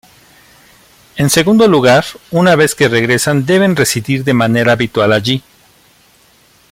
En segundo lugar, una vez que regresan deben residir de manera habitual allí.